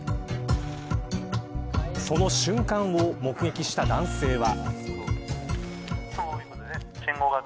その瞬間を目撃した男性は。